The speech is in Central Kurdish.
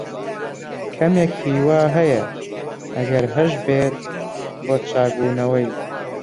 کەمێک ھیوا ھەیە، ئەگەر ھەشبێت، بۆ چاکبوونەوەی.